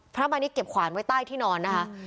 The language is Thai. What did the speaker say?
มาณิชยเก็บขวานไว้ใต้ที่นอนนะคะ